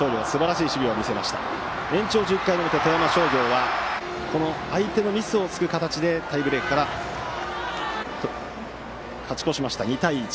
延長１０回の裏富山商業は相手のミスを突く形でタイブレークから勝ち越しまして２対１。